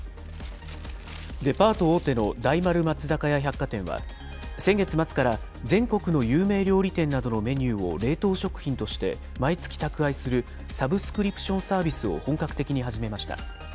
デパート大手の大丸松坂屋百貨店は、先月末から全国の有名料理店などのメニューを冷凍食品として毎月宅配するサブスクリプションサービスを本格的に始めました。